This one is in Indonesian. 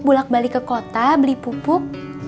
bulak balik ke kota beli pupuk